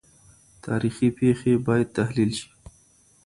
تاريخي پېښې بايد تحليل سي.